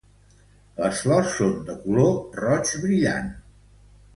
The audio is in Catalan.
Les flors són de color roig brillant.